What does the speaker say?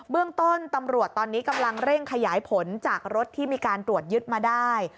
เรื่องต้นตำรวจตอนนี้กำลังเร่งขยายผลจากรถที่มีการตรวจยึดมาได้